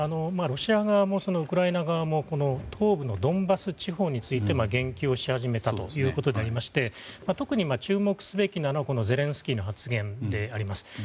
ロシア側もウクライナ側も東部のドンバス地方について言及をし始めたということになりまして特に注目すべきなのはゼレンスキーの発言であります。